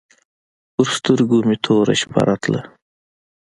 پر سترګو مې توره شپه راتله.